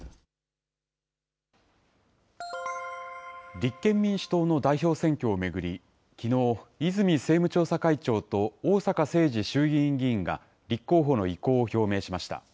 立憲民主党の代表選挙を巡り、きのう、泉政務調査会長と逢坂誠二衆議院議員が立候補の意向を表明しました。